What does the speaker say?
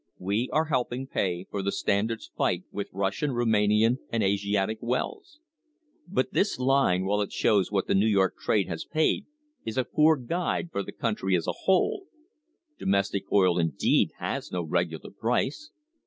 We are helping pay for the Standard's fight with Russian, Roumanian and Asiatic oils. But this line, while it shows what the New York trade has paid, is a poor guide for the country as a whole. Domestic oil, indeed, has no regular price.